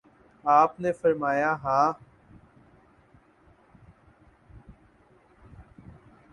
آپ نے فرمایا: ہاں